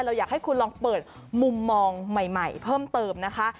อยากให้คุณลองเปิดมุมมองใหม่เพิ่มเติมนะคะ